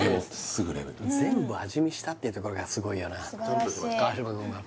全部味見したっていうところがすごいよな川島のな